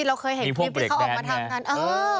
เราเคยเห็นคลิปที่เขาออกมาทำกันเออ